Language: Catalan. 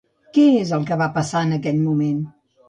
Què és el que va passar en aquell moment?